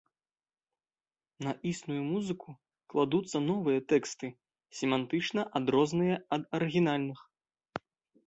На існую музыку кладуцца новыя тэксты, семантычна адрозныя ад арыгінальных.